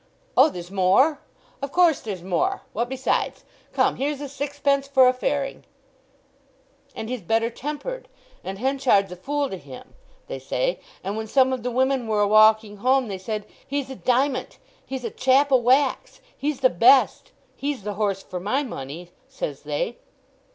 "Oh, there's more? Of course there's more! What besides? Come, here's a sixpence for a fairing." "'And he's better tempered, and Henchard's a fool to him,' they say. And when some of the women were a walking home they said, 'He's a diment—he's a chap o' wax—he's the best—he's the horse for my money,' says they.